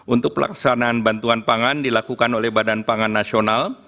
untuk pelaksanaan bantuan pangan dilakukan oleh badan pangan nasional